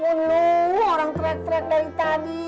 ya ampun orang trek trek dari tadi